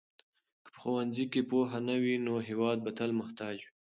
که په ښوونځیو کې پوهه نه وي نو هېواد به تل محتاج وي.